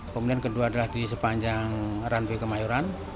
kemudian kedua adalah di sepanjang runway kemayoran